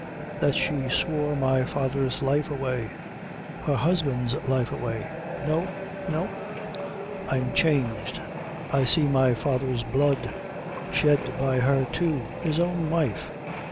that she swore my father's life away her husband's life away. No, no; I'm changed I see my father's blood, shed by her, too, his own wife!